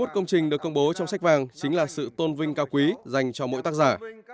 hai mươi một công trình được công bố trong sách vàng chính là sự tôn vinh cao quý dành cho mỗi tác giả